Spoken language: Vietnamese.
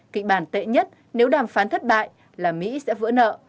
kịch bản tệ nhất nếu đàm phán thất bại là mỹ sẽ vỡ nợ